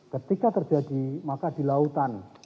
ketika terjadi maka di lautan